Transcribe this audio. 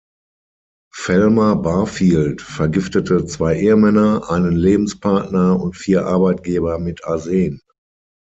Velma Barfield vergiftete zwei Ehemänner, einen Lebenspartner und vier Arbeitgeber mit Arsen.